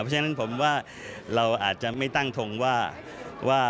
เพราะฉะนั้นผมว่าเราอาจจะไม่ตั้งทงว่า